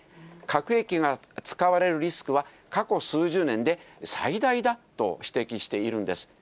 核兵器が使われるリスクは過去数十年で最大だと指摘しているんです。